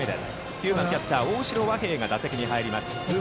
９番ピッチャー、大城和平が打席に入ります。